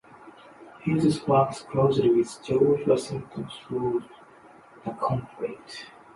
He thus worked closely with George Washington throughout the conflict.